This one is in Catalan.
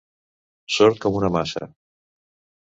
Sord com una maça.